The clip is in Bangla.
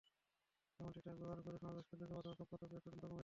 এমনকি ট্রাক ব্যবহার করেও সমাবেশে লোক পাঠানোর সত্যতা পেয়েছে তদন্ত কমিটি।